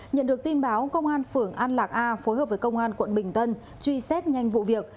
nhận được tin báo công an phưởng an lạc a phối hợp với công an quận bình tân truy xét nhanh vụ việc